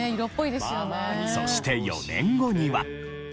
そして４年後には。